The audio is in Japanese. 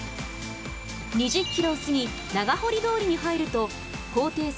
２０キロを過ぎ長堀通に入ると高低差